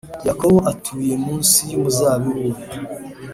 Yakobo atuye munsi y’umuzabibu we